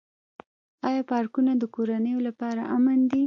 آیا پارکونه د کورنیو لپاره امن دي؟